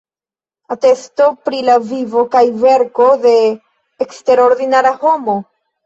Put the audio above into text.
Atesto pri la vivo kaj verko de eksterordinara homo".